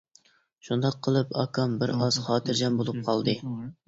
شۇنداق قىلىپ ئاكام بىر ئاز خاتىرجەم بولۇپ قالدى.